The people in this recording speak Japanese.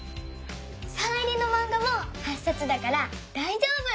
サイン入りのマンガも８さつだからだいじょうぶ！